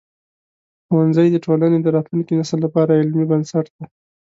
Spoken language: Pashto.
ښوونځی د ټولنې د راتلونکي نسل لپاره علمي بنسټ دی.